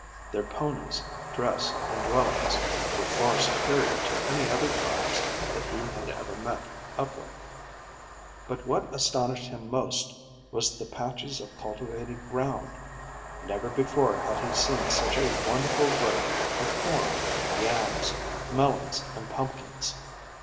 Their ponies, dress, and dwellings were far superior to any other tribes that he had ever met up with. But what astonished him most was the patches of cultivated ground. Never before had he seen such a wonderful growth of corn, yams, melons, and pumpkins.